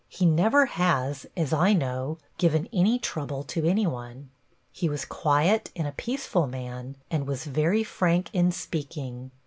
He never has, as I know, given any trouble to anyone. He was quiet and a peaceful man and was very frank in speaking.